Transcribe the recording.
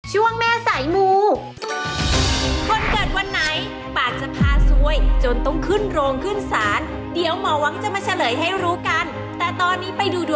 ช่วงแม่สายมู